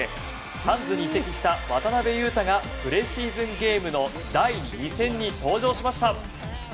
サンズに移籍した渡邊雄太がプレシーズンゲームの第２戦に登場しました。